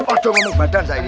oh cok mau badan saya ini